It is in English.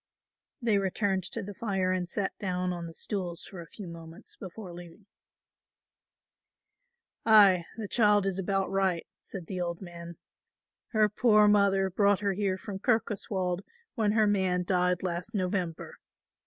They returned to the fire and sat down on the stools for a few moments before leaving. "Ay, the child is about right," said the old man, "her poor mother brought her here from Kirkoswald when her man died last November.